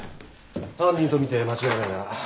犯人とみて間違いないな。